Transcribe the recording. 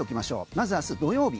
まず明日土曜日。